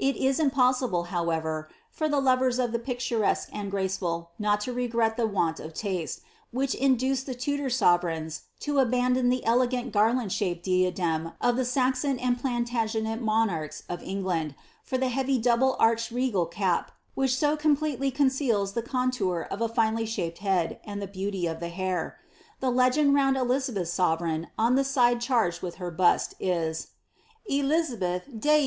It is impossible, however, for the lovers of the picturesque and graceful not to regret the want of taste, which induced the Tudor sove leigns to abandon the elegant garland shaped diadem of the Saxon and Pluitagenct monarchs of England, for the heavy d(>ul)le arched regal cap, which so completely conceals the contour of a finely shaped head^ aod the beauty of the hair. The legend round Elizabeih''s sovereign^ on the side charged with her bust, is, F^mzabeth D. G.